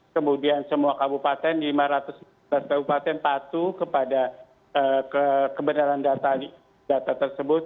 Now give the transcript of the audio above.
kemudian semua kabupaten lima ratus kabupaten patuh kepada kebenaran data tersebut